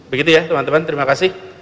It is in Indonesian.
begitu ya teman teman terima kasih